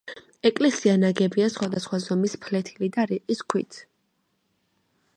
ეკლესია ნაგებია სხვადასხვა ზომის ფლეთილი და რიყის ქვით.